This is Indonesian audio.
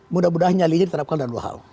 mudah mudahnya lini terhadapkan ada dua hal